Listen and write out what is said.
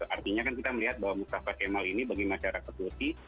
artinya kan kita melihat bahwa mustafa kemal ini bagi masyarakat turki